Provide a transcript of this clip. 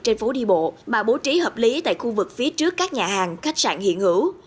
trên phố đi bộ mà bố trí hợp lý tại khu vực phía trước các nhà hàng khách sạn hiện hữu